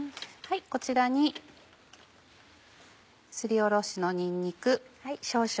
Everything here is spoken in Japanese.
こちらにすりおろしのにんにく。